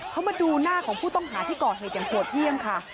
เขามาดูหน้าของผู้ต้องหาที่ก่อเหตุอย่างโหดเยี่ยมค่ะ